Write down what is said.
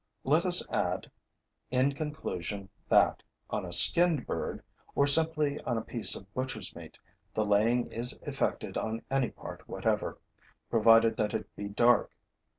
Let us add, in conclusion, that, on a skinned bird, or simply on a piece of butcher's meat, the laying is effected on any part whatever, provided that it be dark.